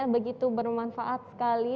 begitu bermanfaat sekali